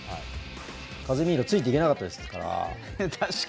カゼミーロついていけなかったですから。